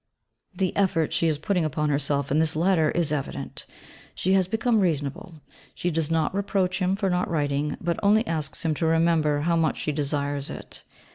The effort she is putting upon herself in this Letter is evident. She has become reasonable; she does not reproach him for not writing, but only asks him to remember how much she desires it.